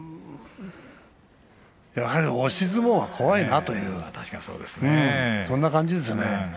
やはり押し相撲は怖いなというそんな感じですね。